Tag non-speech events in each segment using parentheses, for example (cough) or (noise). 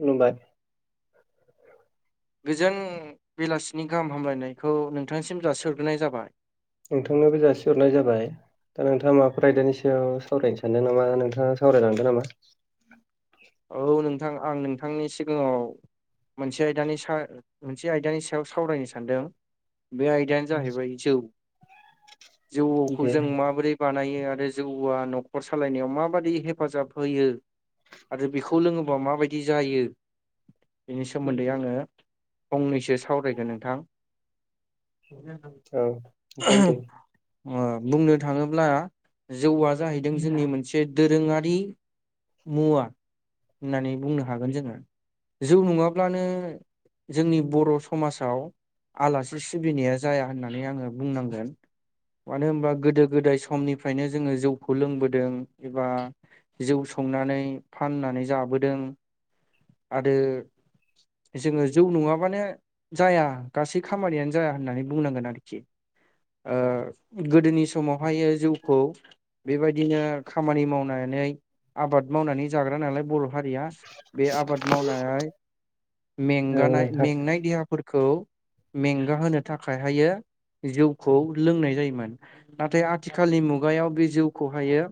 खुलुमबाय। गोजोन बेलासिनि गाहाम हामलायनायखौ नोंथांनिसिम जासिहरग्रोनाय जाबाय। नोंथांनो जासिहरनाय जाबाय। दा नोंथाङा माबाफोर आयदानि सायाव सावरायनो सानदों नामा नोंथाङा सावरायलांदो नामा? औ नोंथां आं नोंथांनि सिगाङाव मोनसे आयदानि सा मोनसे आयदानि सायाव सावरायनो सानदों बे आय दायानो जाहैबाय जौ जौखौ दे जों माबोरै बानायो आरो जौआ न'खर सालायनायाव माबाददि हेफाजाब होयो आरो बेखौ लोङोबा माबायदि जायो। बेनि सोमोन्दै आङो फंनैसो सावरायगोन नोंथां (unintelligible) औ नोंथां दे। अ बुंनो थाङोब्ला जौआ जाहैदों जोंनि मोनसे दोरोङारि मुवा होननानै बुंनो हागोन जोङो जौ नङाब्लानो जोंनि बर' समाजाव आलासि सिबिनाया जाया होननानै आङो बुंनांगोन। मानो होनबा गोदो गोदाय समनिफ्रायनो जोङो जौखौ लोंबोदों एबा जौ संनानै फाननानै जाबोदों आरो जोङो जौ नङाबानो जाया गासै खामानियानो जाया होननानै बुंनांगोन आरोखि ओ गोदोनि समावहाय जिउखौ बेबायदिनो खामानि मावनानै आबाद मावनानै जाग्रा नालाय बर' हया बे आबाद मावनाय औ मेंगानाय नोंथां मेंनाय देहा खौ मेंगा होनो थाखायहायो जौखौ लोंनाय जायोमोन नाथाय आथिखालनि मुगायाव बे जौखौहायो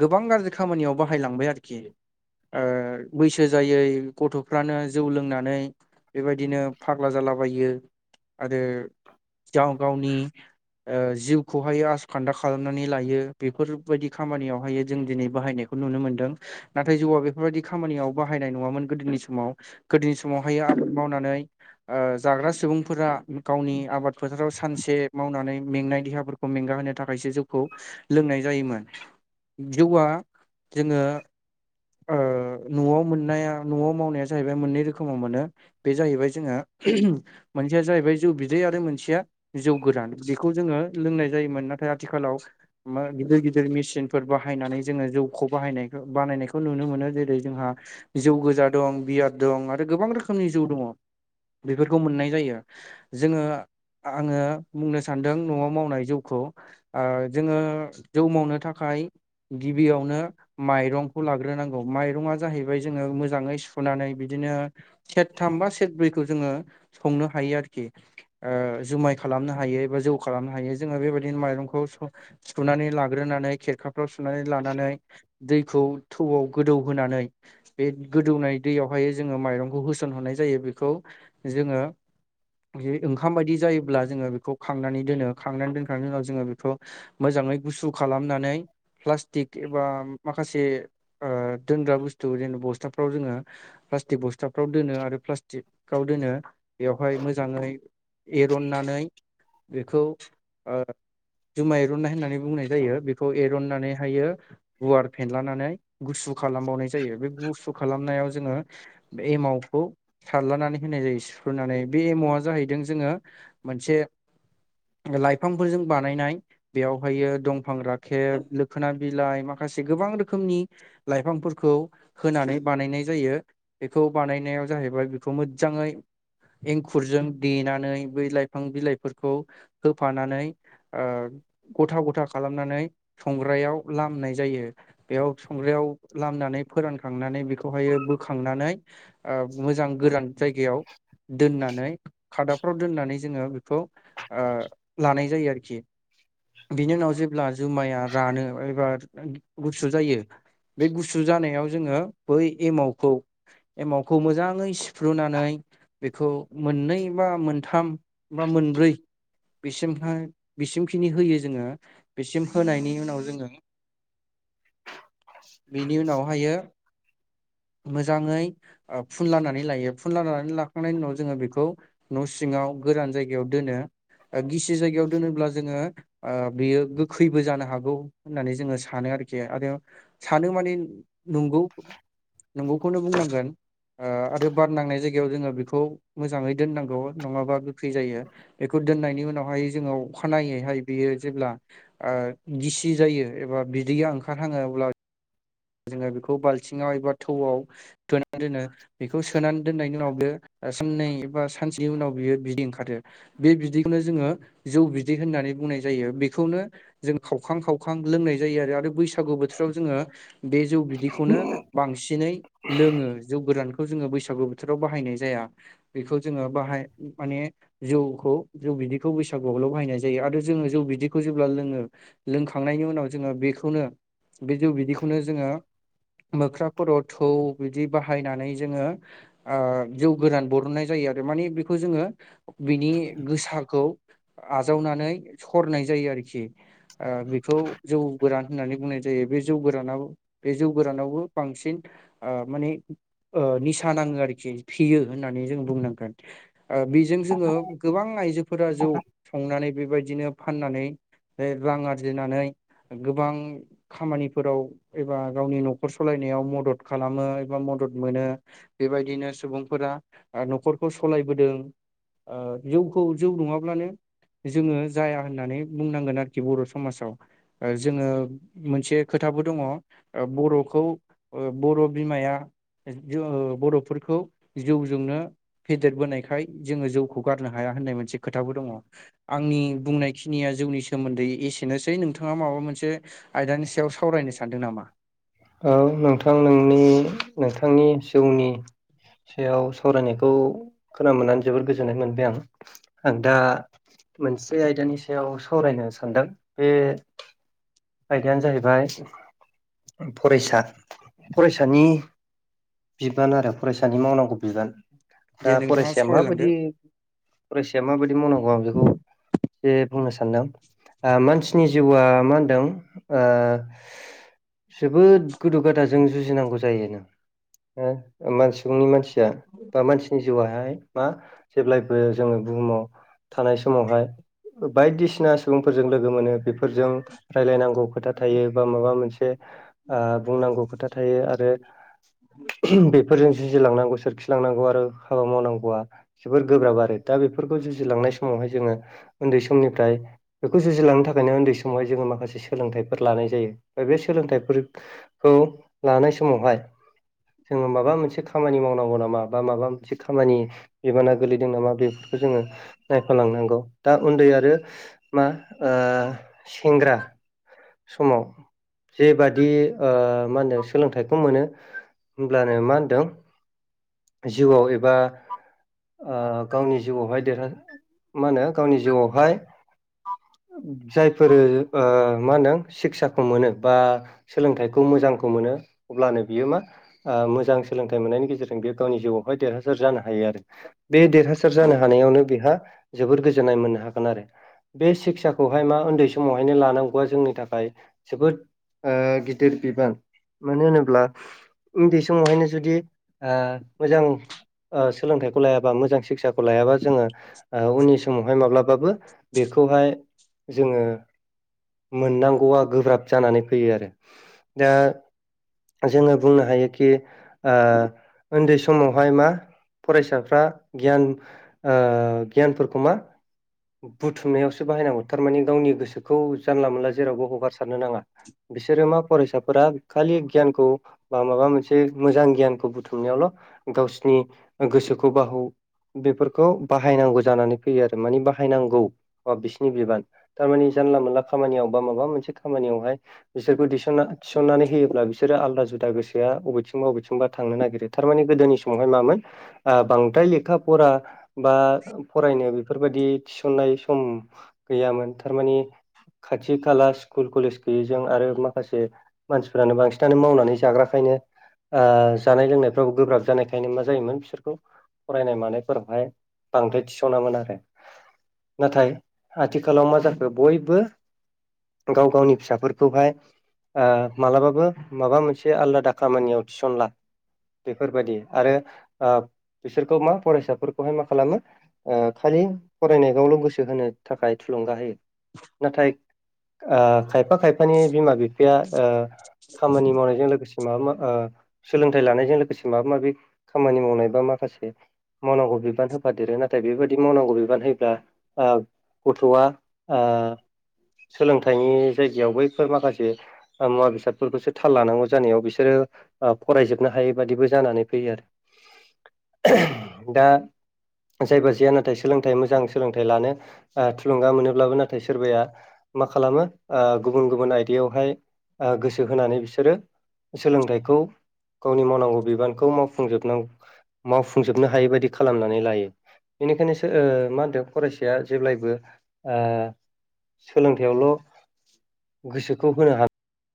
गोबां गाज्रि खामानियाव बाहायलांबाय आरोखि आरोखि बैसो जायै गथ'फ्रानो जौ लोंनानै बेबायदिनो फाग्ला जालाबायो आरो गाव गावनि जिउखौहायो आस खान्दा खालामनानै लायो बेफोरबायदि खामानियावहायो जों दिनै बाहायनायखौ खौ नुनो मोन्दों नाथाय जौआ बेफोरबायाददि खामानियाव बाहायनाय नङामोन गोदोनि समाव गोदोनि समावहाय आबाद मावनानै जाग्रा सुबुंफोरा गावनि आबाद फोथाराव सानसे मावनानै मेंनाय देहाफोरखौ मेंगााहो थाखायसो जोंखौ लोंनाय जायोमोन जौआ जोङो न'आव मोननाया न'आव मावनाया जाहैबाय मोननै रोखोमाव मोनो। बे जाहैबाय जोंहा मोनसेया जाहैबाय जौ बिदै आरो मोनसेया जौ गोदान बेखौ जोङो लोंनाय जायोमोन नाथाय आथिखालाव गिदिर गिदिर मेसििन फोर बाहायनानै जोङो जौखौ बाहायनाय बानायनायखौ खौ नुनो मोनो जेरै जोंहा जौ गोजा दं बियाद दं आरो गोबां रोखोमनि जौ दङ बेफोरखौ मोननाय जायो जोङो आङो बुंनो सानदों न'आव मावनाय जौखौ जोङो जौ मावनो थाखाय गिबियावनो माइरं खौ लाग्रोनांगौ माइरङा जाहैबाय जोङो मोजाङै सुनानै बिदिनो सेथथाम बा सेथब्रैखौ जोङो संनो हायो आरोखि जुमाय खालामनो हायो एा जौ खालामनो हायो जोङो बेबायदिनो माइरंखौ सुनानै लाग्रोनानै खेरखाफ्राव सुनानै लानानै दैखौ थौआव गोदौ होनोनानै बे गोदौनाय दैयावहाय जोङो माइरंखौ होसनहरनाय जायो बेखौ जोङो ज ओंखाम बायदि जायोब्ला जोङो बेखौ खांनानै दोनो खांनानै दोनखांनायनि उनाव जोङो बेखौ मोजाङै गुसु खालामनानै प्लास्टिक एबा माखासे दोनग्रा बुस्थु जेन बस्थाफ्राव जोङो प्लास्टिक बस्थाफ्राव दोनो आरो प्लास्टिक गाव दोनो बेवहाय मोजाङै एरननानै बेखौ जुमाय एरननाय होननानै बुंनाय जायो बेखौ एरननानैहायो गुवार फेनलानानै गुसु खालामबावनाय जायो बे गुसु खालामनायाव जोङो बे एमावखौ सारलनानै होनाय जायो सुफ्रुनानै बे एमावा जाहैदों जोङो मोनसे लाइफांफोरजों बानायनाय बेयावहायो दंफां राखेब लोखोना बिलाइ माखासे गोबां रोखोमनि लाइफांफोरखौ होनानै बानायनाय जायो बेखौ बानायनायाव जाहैबाय बेखौ मोजाङै एंखुरजों देनानै बै लाइफां बिलाइफोरखौ होफानानै गथा गथा खालामनानै संग्रायाव लामनाय जायो बेयाव संग्रायाव लामनानै फोरानखांनानै बेखौहायो बोखांनानै मोजां गोरान जायगायाव दोननानै खादाबफ्राव दोननानै जोङो बेखौ लानाय जायो आरोखि बिनि उनाव जेब्ला जुमाया रानो एबा गुसु जायो। बे गुसु जानायाव जोङो बै एमावखौ एमावखौ मोजाङै सिफ्रुनानै बेखौ मोननै बा मोनथाम बा मोनब्रै बिसिमहा बिसिमखिनि होयो जोङो बिसिम होनायनि उनाव जोङो बेनि उनावहाय मोजाङै फुल लानानै लायो फुल लानानै ला खांनायनि उनाव जोङो बेखौ न' सिङाव गोरान जायगायाव दोनो। गिसि जायगायाव दोनोब्ला जोङो। बेयो गोखैबो जानो हागौ होननानै जोङो सानो आरोखि आरो। सानो माने नंगौ। नंगौखौनो बुंनांगोन आरो बार नांनाय जायगायाव जोङो बेखौ मोजाङै दोननांगौ नङाबा बख्रि जायो बेखौ दोननायनि उनावहाय जोङो अखानायैहाय बियो जेब्ला गिसि जायो एबा बिदैया ओंखारहाङोब्ला जोङो बेखौ बाल्थिङाव एबा थौआव सोनानै दोनो बेखौ सोनानै दोननायनि उनाव बे साननै बबा सानसेनि उनाव बियो बिदि ओंखारदो बे बिदैखौनो जोङो जौ बिदै होननानै बुंनाय जायो बेखौनो। जों खावखां खावखां लोंनाय जायो आरो आरो बैसागु बोथोराव जोङो बे जौ बिदैखौनो बांसिनै लोङो जौ गोदानखौ जोङो बैसागु बोथोराव बाहायनाय जाया। बेखौ जोङो बाहाय माने जौखौ जौ बिदैखौ बैसागुआवलाव बाहायनाय जायो आरो जोङो जौ बिदैखौ जेब्ला लोङो लोंखांनायनि उनाव जोङो बेखौनो बे जौ बिदिखौनो जोङो मोख्रा खर' थौ बिदि बाहायनानै जोङो जौ गोदान बरननाय जायो आरो मानिे बेखौ जोङो बिनि गोसाखौ आजावनानै सरनाय जायो आरोखि बेखौ जौ गोरान होननानै बुंनाय जायो बे जौ गोरान बे जौ गोरानावबो बांसिन ओ मानि निसा नाङो आरोखि फियो होननानै जों बुंनांगोन बेजों जोङो गोबां आइजोफोरा जौ संनानै बेबायदिनो फाननानै रां आरजिनानै गोबां खामानिफोराव एबा गावनि न'खर सालायनायाव मदद खालामो एबा मदद मोनो बेबायदिनो सुबुंफोरा न'खरखौ सालायबोदों। जौखौ जौ नङाब्लानो जोङो जाया होननानै बुंनांगोन आरोखि बर' समाजाव जोङो मोनसे खोथाबो दङ। बर'खौ बर' बिमाया ज बर'फोरखौ जौजोंनो फेदेरबोनायखाय जोङो जौखौ गारनो हाया होननाय मोनसे खोथाबो दङ। आंनि बुंनायखिनिया जौनि सो सोमोन्दै एसेनोसै नोंथाङा माबा मोनसे आयदानि सायाव सावरायनो सानदों नामा। औ नोंथां नोंनि नोंथांनि जौनि सायाव सावरायनायखौ खोना मोननानै जोबोर गोजोननाय मोनबाय आं आं दा मोनसे आयदानि सायाव सावरायनो सानदों बे आयदायानो जाहैबाय फरायसा फरायसानि बिबान आरो फरायसानि मावनांगौ बिबान दे दा नोंथाङा फरायसाया सावरायलांदो माबायदि फरायसाया माबायदि मावनांगौ आं बेखौ जे बुंनो सानदों मानसिनि जिउआ मा होनदों। जोबोद गोदौ गाद जों जुजिनांगौ जायो नों मान सुबुंनि मानसि बा मानसिनि जिउहाय मा जेब्लायबो जोंङो बुहुमाव थानाय समावहाय बायदिसिना सुबुंफोरजों लोगो मोनो बेफोरजों रायलायनांगौ खोथा थायो बा माबा मोनसे आ बुंनांगौ खोथा थायो आरो बे फोरजों जुजिलांनांगौ सोरखिलांनांगौ आरो हाबा मावनांगौआ जोबोर गोब्राब आरो दा बेफोरखौ जुजिलांनाय समावहाय जोंङो उन्दै समनिफ्राय बेखौ जुजिलांनो थाखायनो उन्दै समावहाय जोंङो माखासे सोलोंथाइफोर लानाय जायो बे सोलोंथाइफोरखौ लानाय समावहाय जोंङो माबा मोनसे खामानि मावनांगौ नामा बा माबा मोनसे खामानि बिबाना गोलैदों नामा बेफोरखौ जोंङो नायफालांनांगौ दा उन्दै आरो मा ओ सेंग्रा समाव जेबादि ओमा होनदों सोलोंथाइखौ मोनो होमब्लानो मा होनदों जिउआव एबा ओ गावनि जिउआवहाय देरह मा होनो गावनि जिउआवहाय जायफोरो आ मा होनदों सिक्साखौ मोनो बा सोलोंथाइखौ मोजांखौ मोनो अब्लानो बियो मा ओ मोजां सोलोंथाइ मोननायनि गेजेरजों जों बे गावनि जिउआवहाय देरहासार जानो हायो आरो बे देरहासार जानो हानायावनो बेहा जोबोद गोजोननाय मोननो हागोन आरो बे सिक्साखौहाय मा उन्दै समावहायनो लानांगौआ जोंनि थाखाय जोबोद ओ गिदिर बिबान मानो होनोब्ला उन्दै समावहायनो जुदि ओ मोजां सोलोंथाइखौ लायाबा मोजां सिक्षसाखौ लायाबा जोंङो उननि समावहाय माब्लाबाबो बेखौहाय जोंङो मोननांगौआ गोब्राब जानानै फैयो आरो दा जोंङो बुंनो हायोखि उन्दै समावहाय मा फरायसाफ्रा गियान गियानफोरखौ मा बुथुमनायावसो बाहायनांगौ। थारमाने गावनि गोसोखौ जानला मोनला जेरावबो हगार सारनो नाङा बिसोरो मा फरायसाफोरा खालि गियानखौ बा माबा मोनसे मोजां गियानखौ बुथुमनायावल' गावसिनि ओ गोसोखौ बाहौ बेफोरखौ बाहायनांगौ जानानै फैयो आरो माने बाय बाहायनांगौ बा बिसिरनि बिबान। थारमानि जानला मोनला खामानियाव बा माबा मोनसे खामानियावहाय बिसोरखौना थिसननानै होयोब्ला बिसोरो आलादा जुदा गोसोआ बबेथिंबा बबेथिंबा थांनो नागिरो थारमाने गोदोनि समावहाय मामोन बांद्राय लेखा फरा बा फरायनो बेफोरबायादि थिसननाय सम गैयामोन थारमाने खाथि खाला स्कुल कलेज गैयैजों आरो माखासे मानसिफोरानो बांसिनानो मावनानै जाग्रााखायनो ओ जानाय लोंनायफ्राव गोब्राब जानायखायनो मा जायोमोन बिसोरखौ फरायनाय मानायफोरावहाय बांद्राय थिसनामोन आरो नाथाय आथिखालाव मा जाखो बयबो गाव गावनि फिसाफोरखौहाय ओ मालाबाबो माबा मोनसे आलादा खामानियाव थिसनला। बेफोरबायदि आरो ओ बिसोरखौ मा फरायसाफोरखौहाय मा खालामो आ खालि फरायनायखौावल' गोसो होनो थाखाय थुलुंगा होयो। नाथाय खायफा खायफा खायफानि बिमा बिफाया ओ खामानि मावनायजों लोगोसे माबा मा सोलोंथाइ लानायजों लोगोसे माबा माबि खामानि मावनाय बा माखासे मावनांगौ बिबान होफादेरो नाथाय बेबायाददि मावनांगौ बिबान हो दा ओ गथ'आ ओ सोलोंथाइनि जायगायाव बैफोर माखासे बा मुवा बेसादफोरखौसो थाल लानांगौ जानायाव बिसोरो फरायजोबनो हायै बादिबो जानानै फैयो आरो दा जायबा जाया नाथाय सोलोंथाइ मोजां सोलोंथाइ लानो ओ थुलुंगा मोनोब्लाबो नाथाय सोरबाया मा खालामो ओ गुबुन गुबुन आयदायावहाय ओ गोसो होनानै बिसोरो सोलोंथाइखौ गावनि मावनांगौ बिबानखौ मावफुंजोबनां मावफुंजोबनो हायै बादि खालामनानै लायो बेनिखायनोसो ओ मा होनदों फरायसाया जेब्लायबो ओ सोलोंथाइयावल' गोसोखौ होनो हा